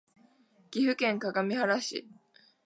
岐阜県各務原市